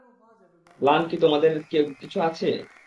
Plan কি তোমাদের কেউ কিছু আছে।